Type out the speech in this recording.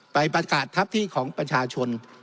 ไปประกาศทัพที่ของประชาชน